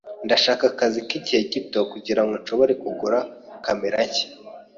Ndashaka akazi k'igihe gito kugirango nshobore kugura kamera nshya.